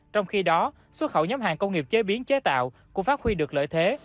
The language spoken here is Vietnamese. trong khi đó xuất khẩu nhóm hàng công nghiệp chế biến chế tạo cũng phát huy được lợi thế